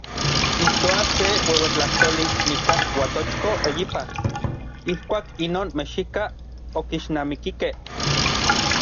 Kijtoa se ueuetlajtoli nikan Uatochko eyipa, ijkuak inon mexikaj okixnamikikej.